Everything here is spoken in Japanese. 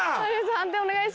判定お願いします。